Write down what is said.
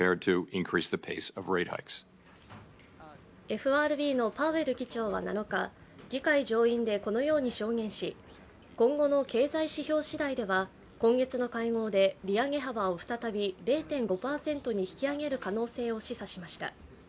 ＦＲＢのパウエル議長は７日、議会上院でこのように証言し今後の経済指標しだいでは今月の会合で利上げ幅を再び０．５％に引き上げる可能性を示唆しました。